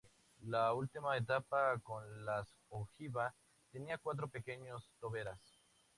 La última etapa, con las ojiva, tenía cuatro pequeñas toberas.